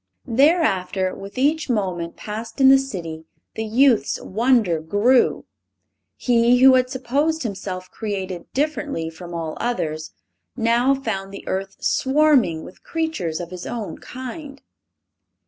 Thereafter with each moment passed in the city the youth's wonder grew. He, who had supposed himself created differently from all others, now found the earth swarming with creatures of his own kind.